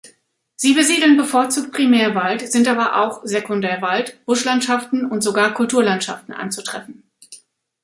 Sie besiedeln bevorzugt Primärwald, sind aber auch Sekundärwald, Buschlandschaften und sogar Kulturlandschaften anzutreffen.